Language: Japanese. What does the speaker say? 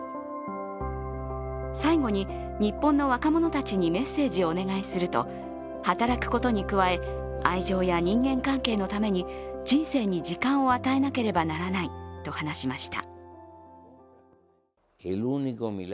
最後に、日本の若者たちにメッセージをお願いすると働くことに加え、愛情や人間関係のために人生に時間を与えなければならないと話しました。